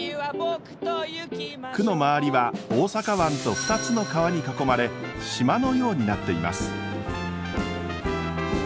区の周りは大阪湾と２つの川に囲まれ島のようになっています。